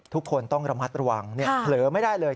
ทุกคนต้องระมัดระวังเผลอไม่ได้เลย